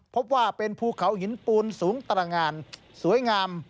พบว่าเป็นภูเขาหินปูนสูงตรงานสวยงาม